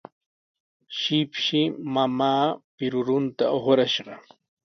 Shipshi mamaa pirurunta uqrashqa.